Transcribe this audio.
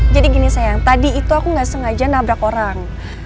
jadi gini sayang tadi itu aku gak sengaja nabrak orang